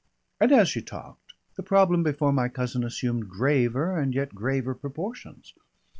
And as she talked, the problem before my cousin assumed graver and yet graver proportions.